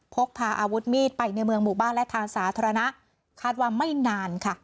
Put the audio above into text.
พกพาอาวุธมีดไปในเมืองหมู่บ้านและทางสาธารณะคาดว่าไม่นานค่ะ